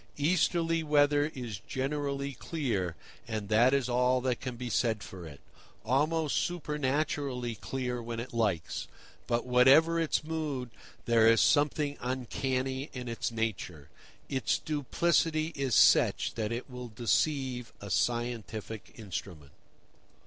Easterly weather is generally clear, and that is all that can be said for it—almost supernaturally clear when it likes; but whatever its mood, there is something uncanny in its nature. Its duplicity is such that it will deceive a scientific instrument.